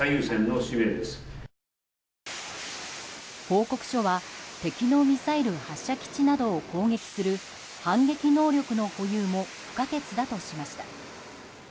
報告書は、敵のミサイル発射基地などを攻撃する反撃能力の保有も不可欠だとしました。